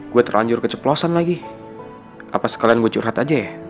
ketawa sama putri sudah ada